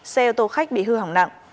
xe ô tô khách bị hư hỏng nặng